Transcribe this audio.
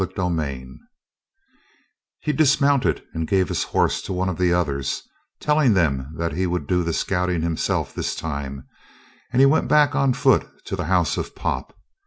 CHAPTER 26 He dismounted and gave his horse to one of the others, telling them that he would do the scouting himself this time, and he went back on foot to the house of Pop.